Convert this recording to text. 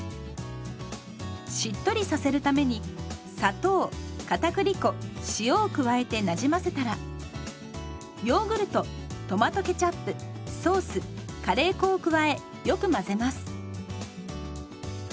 しっとりさせるために砂糖かたくり粉塩を加えてなじませたらヨーグルトトマトケチャップソースカレー粉を加えよく混ぜます。